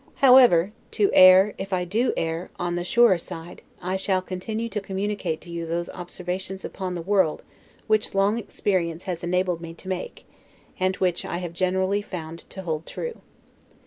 However, to err, if I do err, on the surer side, I shall continue to communicate to you those observations upon the world which long experience has enabled me to make, and which I have generally found to hold true.